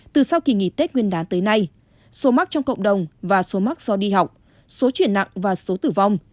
từ sau kỳ nghỉ tết nguyên đán tới nay số mắc trong cộng đồng và số mắc do đi học số chuyển nặng và số tử vong